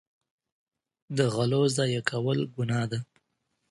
د غلو ضایع کول ګناه ده.